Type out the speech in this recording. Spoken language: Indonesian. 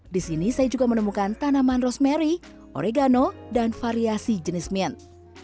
di sini saya juga menemukan tanaman rosemary oregano dan variasi jenis mint